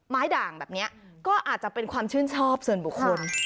ด่างแบบนี้ก็อาจจะเป็นความชื่นชอบส่วนบุคคล